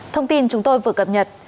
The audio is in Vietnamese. thông tin chúng tôi vừa cập nhật